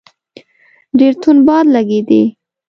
ډېر توند باد لګېدی.